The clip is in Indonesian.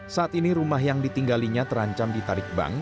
saat ini rumah yang ditinggalinya terancam ditarik bank